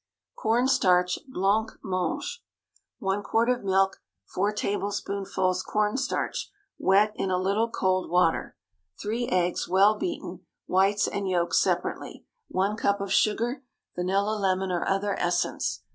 CORN STARCH BLANC MANGE. ✠ 1 quart of milk. 4 tablespoonfuls corn starch, wet in a little cold water. 3 eggs, well beaten—whites and yolks separately. 1 cup of sugar. Vanilla, lemon, or other essence.